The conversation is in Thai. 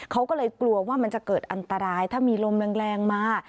เขาก็เลยกลัวว่ามันจะเกิดอันตรายถ้ามีลมแรงมา